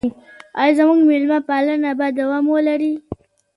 آیا زموږ میلمه پالنه به دوام ولري؟